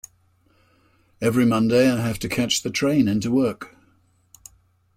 Every Monday I have to catch the train into work